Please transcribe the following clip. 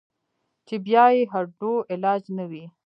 چې بيا ئې هډو علاج نۀ وي -